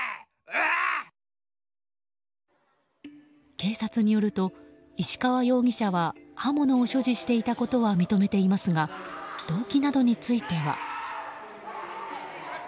警察によると、石川容疑者は刃物を所持していたことは認めていますが動機などについては。